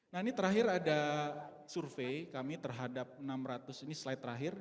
nah ini terakhir ada survei kami terhadap enam ratus ini slide terakhir